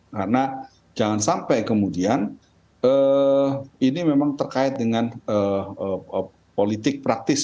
karena jangan sampai kemudian ini memang terkait dengan politik praktis